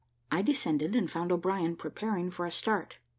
I descended, and found O'Brien preparing for a start.